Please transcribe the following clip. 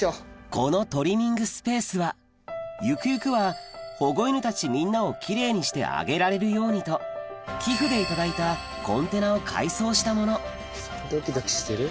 このトリミングスペースはゆくゆくは保護犬たちみんなを奇麗にしてあげられるようにと寄付で頂いたコンテナを改装したものドキドキしてる？